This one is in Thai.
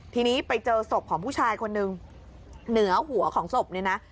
ทีนี้ไปเจอศพของผู้ชายคนหนึ่งหัวของศพนี่นะ